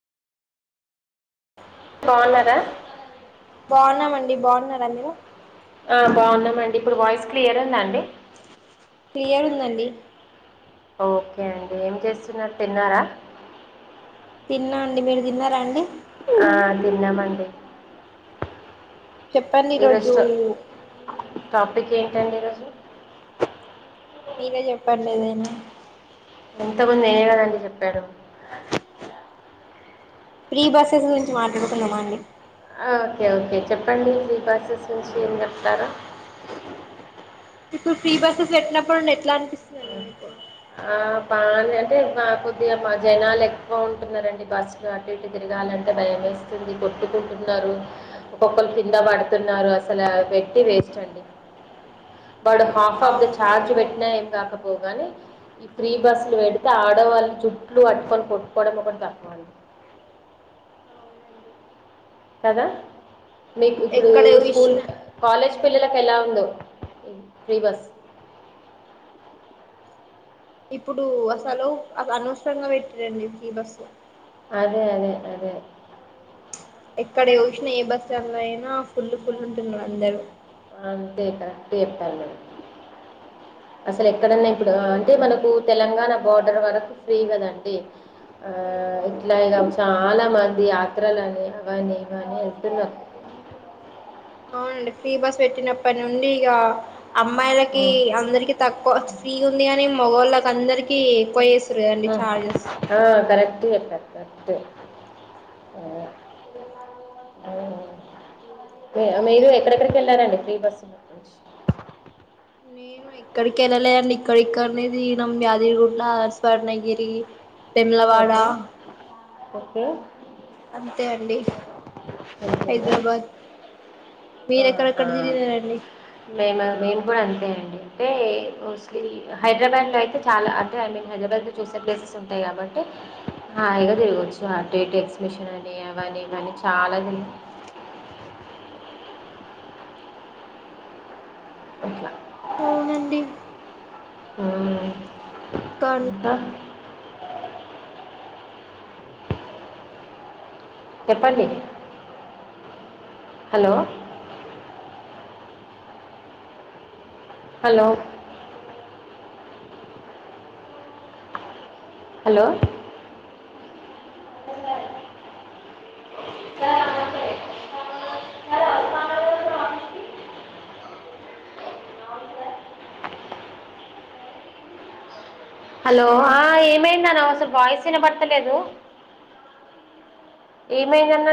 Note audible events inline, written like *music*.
బాగున్నార బాగున్నామండి బాగున్నార మీరు ఆ బాగున్నామండి ఇప్పుడు వాయిస్ క్లియర్ ఉందా అండి క్లియర్ ఉందండి ఓకె అండి ఏం చేస్తున్నార్ తిన్నారా తిన్నా అండి మీర్ తిన్నరా అండి ఆ తిన్నామండి చెప్పండి ఈరోజు ఈరోోజూ ట- టాపిక్ ఏంటండి ఈరోజు మీరే చెప్పండి ఏదైన ఇంత మంది నేనే కదండి చెప్పాడు ప్రీ బస్సెస్ గురించి మాట్లాడుకుందామ అండి ఆ ఓకె ఓకె చెప్పండి సీ బసెస్ నుంచి ఏం చెప్తార ఇప్పుడ్ ఫ్రీ బసెస్ ఎట్ల పోయిం ఎట్లా అని పిస్ ఆ బానె అంటే మా కొద్దిగా మా జనాలు ఎక్కువ ఉంటున్నడి బస్సులు అటు ఇటు తిరగాలంటే భయం వేస్తుంది కొట్టుకుంటున్నారు ఒక్కొక్కరు కింద పడుతున్నారు అసలు పెట్టి వేస్ట్ అండి బడు హాఫ్ ఆఫ్ ద అవును చఛార్జ్ పెట్టినా రాక పోగాని ఈ ప్ర్రీ బస్సులు పెడితే ఆడవాళ్ళని జుట్లు పట్టుకొని కొట్టుకోవడం ఒకటి తక్కువంది అవునండి కద మీకు ఇప్పుడూ ఎక్కడ స్కూల్ చూసిన కాలేజ్ పిల్లలకు ఎలా ఉందో ఫ్రి బస్ ఇప్పుడూ అసలు అనవసరంగా పెట్టి రండి కీ బస్సు అదే అదె అదె ఎక్కడ చూసినా ఏ బస్ాలో అయినా ఫుల్ ఫుల్లు ఉంటున్నారు అందరుూ అంతే కరెక్ట్ చెప్పార్ మీరు అసలు ఎక్కడన్నా ఇప్పుడు అంటే మనకు తెలంగాణ బోర్డర్ వరకు ఫ్రీ కదండి ఆ అవునండి ఇట్ల ఇగ చాల మంది యాత్రలని అవని ఇవని వెల్తున్నారు అవునండి ఫ్రీ బస్ పెట్టినప్పటి నుండి ఇక అమ్మాయిలకి ఉమ్. అందరికి తక్కువ ఫ్రీ ఉంది అని యోగోళ్ళకి అందరికి ఎక్కువే ఆ కరెక్ట్ మీరు ఎక్కడెక్కడికి వెళ్ళారంండి ఫ్రీ బస్సు నేను ఎక్కడికి వెళ్ళలే అండి ఇక్కడ ఇక్కడ అనేది నమ్ యాదిరి గుడా స్వర్ణగిరి తెమ్లవాడ ఓకే ఓకే అంతే అండి అంతేనా హైదరాబాద్ ఆహా. మీరెక్కడెక్కడ తిగినారంండి మేము మేము కూడా అంతే అండి అంటే మోస్ట్లీ హైదరాబాద్లో అయితే చాలా అంటే ఐ మీన్ హైదరాబాద్లో చూసే ప్లేసెస్ ఉంటాయి కాబట్టి హాయిగా తిరగవచ్చు ఆ ే ఎక్సిబిషన్ అని అవని ఇవీ చాలా అట్లా అవునుఅండి హ ఇంకా ఇకా ఆ చెప్పండి హలో హలో హలో *unintelligible* హలో ఆ ఏమైందన్నా అసలు వాయిస్ ఏనా పడతలేదు ఏమైందన్న